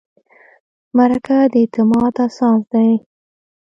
مرکه د اعتماد اساس دی.